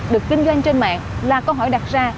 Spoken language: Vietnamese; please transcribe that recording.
được kinh doanh trên mạng là câu hỏi đặt ra